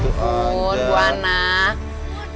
ya ampun bu anak